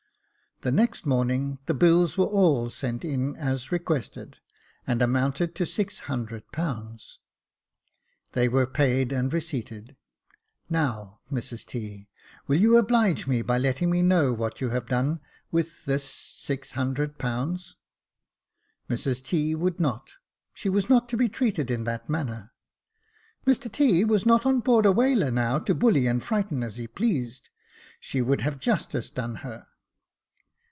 The next morning the bills were all sent in as requested, and amounted to six hundred pounds. They were paid and receipted. "Now, Mrs T., will you oblige me by letting me know what you have done with this six hundred pounds ?" Mrs T. would not — she was not to be treated in that manner. Mr T. was not on board a whaler now, to bully and frighten as he pleased. She would have justice done her.